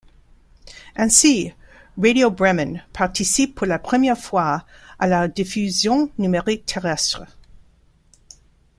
Ainsi, Radio Bremen participe pour la première fois à la diffusion numérique terrestre.